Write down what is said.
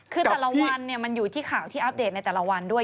คือแต่ละวันมันอยู่ที่ข่าวที่อัปเดตในแต่ละวันด้วย